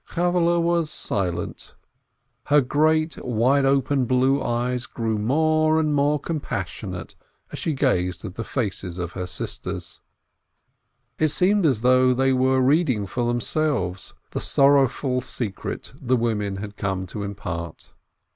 Chavvehle was silent. Her great, wide open blue eyes grew more and more compassionate as she gazed at the faces of her sisters; it seemed as though they were reading for themselves the sorrowful secret the women had come to impart.